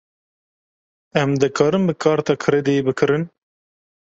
Em dikarin bi karta krediyê bikirin?